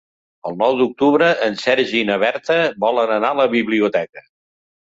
El nou d'octubre en Sergi i na Berta volen anar a la biblioteca.